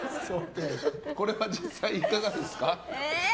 これは実際いかがですか？